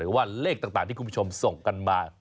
ว่าเลขต่างที่คุณผู้ชมส่งกันมา